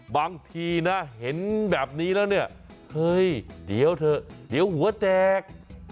บางทีนะเห็นแบบนี้แล้วเนี่ยเฮ้ยเดี๋ยวเถอะเดี๋ยวหัวแจก